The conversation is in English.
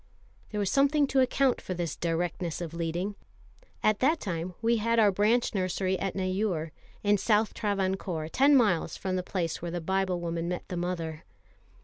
There was something to account for this directness of leading. At that time we had our branch nursery at Neyoor, in South Travancore, ten miles from the place where the Biblewoman met the mother.